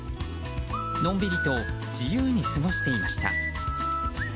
のんびりと自由に過ごしていました。